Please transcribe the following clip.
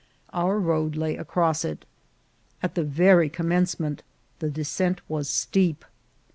Our road lay across it. At the very commencement the descent was steep.